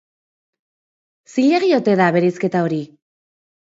Zilegi ote da bereizketa hori?